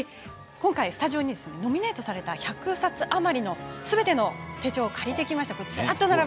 スタジオにノミネートされた１００冊余りのすべての手帳をお借りしました。